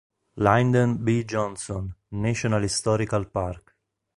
Lyndon B. Johnson National Historical Park